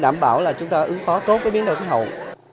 đảm bảo là chúng ta ứng phó tốt với biến đổi khí hậu